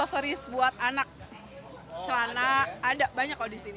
aksesoris buat anak celana ada banyak kok di sini